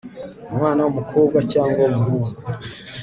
umwana w'umukobwa cyangwa w'umuhungu